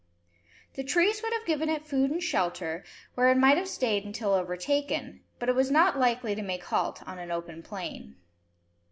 The trees would have given it food and shelter, where it might have stayed until overtaken; but it was not likely to make halt on an open plain.